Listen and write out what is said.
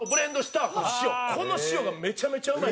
この塩がめちゃめちゃうまい。